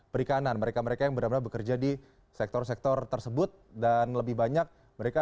perikanan mereka mereka yang benar benar bekerja di sektor sektor tersebut dan lebih banyak mereka